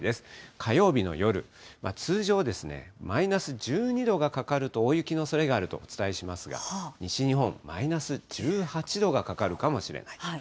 火曜日の夜、通常、マイナス１２度がかかると、大雪のおそれがあるとお伝えしますが、西日本、マイナス１８度がかかるかもしれない。